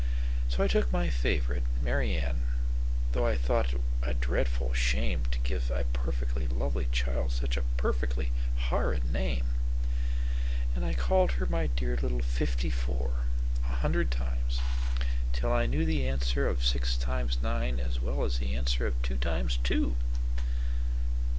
So I took my favorite, Mary Ann (though I thought 't was a dreadful shameTo give such a perfectly lovely child such a perfectly horrid name),And I called her my dear little "Fifty four" a hundred times, till I knewThe answer of six times nine as well as the answer of two times two.